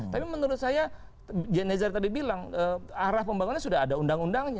tapi menurut saya janezer tadi bilang arah pembangunan sudah ada undang undangnya